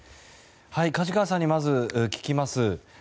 梶川さんにまず聞きます。